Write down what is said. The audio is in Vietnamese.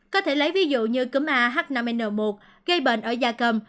có thể lấy ví dụ như cúm ah năm n một gây bệnh ở da cầm